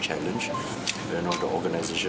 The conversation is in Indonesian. dan juga organisasi